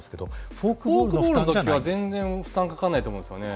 フォークボールの時は全然負担かからないと思うんですよね。